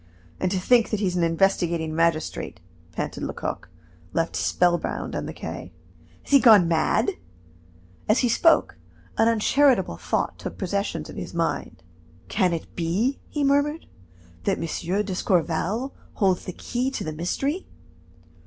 "And to think that he's an investigating magistrate," panted Lecoq, left spellbound on the quay. "Has he gone mad?" As he spoke, an uncharitable thought took possession of his mind. "Can it be," he murmured, "that M. d'Escorval holds the key to the mystery?